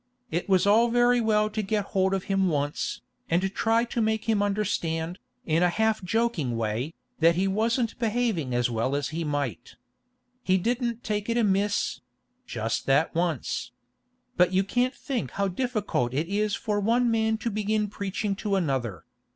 It was all very well to get hold of him once, and try to make him understand, in a half joking way, that he wasn't behaving as well as he might. He didn't take it amiss—just that once. But you can't think how difficult it is for one man to begin preaching to another.